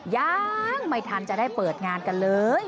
ยังไม่ทันจะได้เปิดงานกันเลย